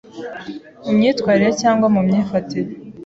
mu myitwarire cyangwa mu myifatire